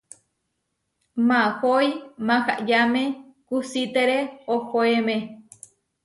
Mahói mahayáme kusítere ohoéme.